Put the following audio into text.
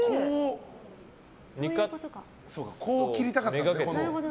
こう切りたかったんだ。